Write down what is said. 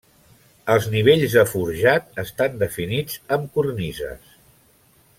Els nivells de forjat estan definits amb cornises.